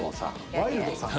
ワイルドさん？